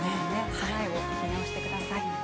備えを見直してください。